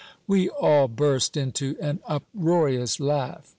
We all burst into an uproarious laugh.